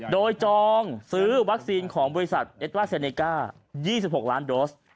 โดยจองซื้อวัคซีนของบริษัทเอสตราเซเนก้า๒๖ล้านโดส